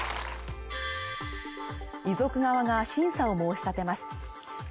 遺族側が審査を申し立てます